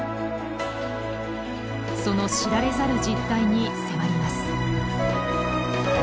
その知られざる実態に迫ります。